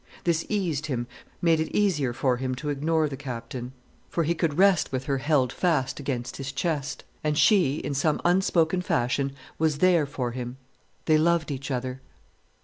This eased him, made it easier for him to ignore the Captain; for he could rest with her held fast against his chest. And she, in some unspoken fashion, was there for him. They loved each other.